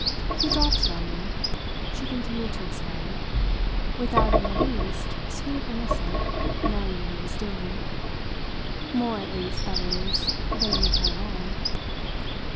He dropped it on me," she continued to explain, "without in the least, sweet innocent, knowing what he was doing; more, at least, that is, than give her away."